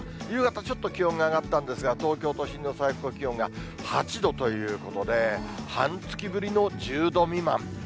夕方、ちょっと気温が上がったんですが、東京都心の最高気温が８度ということで、半月ぶりの１０度未満。